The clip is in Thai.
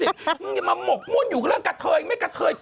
อย่ามาพวกม่วนอยู่กับเรื่องกำเผยไม่กำเผย